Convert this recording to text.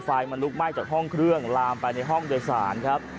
ไฟมันลุกไหม้จากห้องเครื่องลามไปในห้องโดยสารครับ